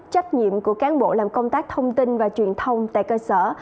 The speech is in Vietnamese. trách nhiệm của cán bộ làm công tác thông tin và truyền thông tại cơ sở